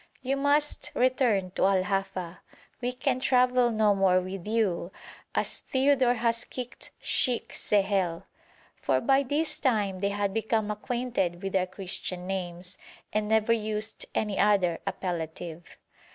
'You must return to Al Hafa. We can travel no more with you, as Theodore has kicked Sheikh Sehel,' for by this time they had become acquainted with our Christian names, and never used any other appellative.